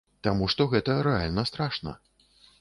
Таму што гэта рэальна страшна.